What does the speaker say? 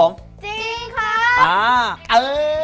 จริงครับ